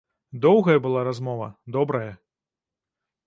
Доўгая была размова, добрая.